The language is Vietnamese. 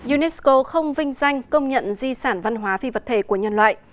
unesco không vinh danh công nhận di sản văn hóa phi vật thể của nhân loại